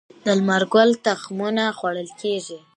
د لمر ګل تخمونه خوړل کیږي